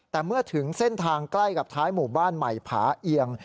แต่เมื่อถึงเส้นทางใกล้กับท้ายหมู่บ้านใหม่ผาเอียง